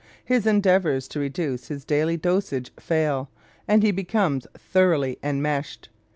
His endeavors to reduce his daily dosage fail, and he becomes thoroughly enmeshed.